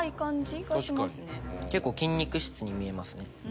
結構筋肉質に見えますね。